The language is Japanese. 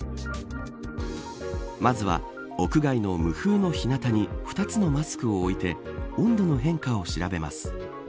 まずは屋外の無風の日なたに２つのマスクを置いて温度の変化を調べます。